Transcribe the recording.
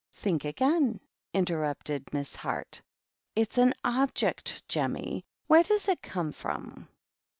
" Think again," interrupted Miss Heart. " It's an Object J Jemmy. Where does it come from